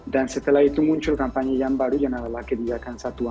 dan setelah itu muncul kampanye yang baru yang adalah kebijakan satu anak